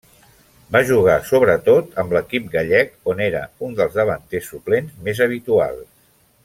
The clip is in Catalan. Va jugar sobretot amb l'equip gallec, on era un dels davanters suplents més habituals.